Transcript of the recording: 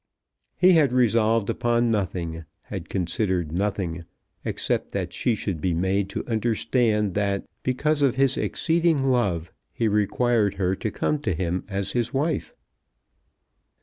He had resolved upon nothing, had considered nothing, except that she should be made to understand that, because of his exceeding love, he required her to come to him as his wife.